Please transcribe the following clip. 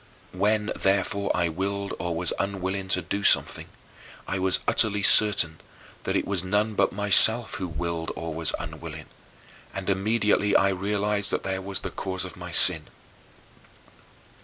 When, therefore, I willed or was unwilling to do something, I was utterly certain that it was none but myself who willed or was unwilling and immediately I realized that there was the cause of my sin.